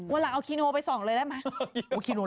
วันหลังเอาคิโนไปส่องเลยได้ไหม